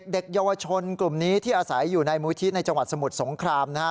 เด็กเยาวชนกลุ่มนี้ที่อาศัยอยู่ในมูลที่ในจังหวัดสมุทรสงครามนะฮะ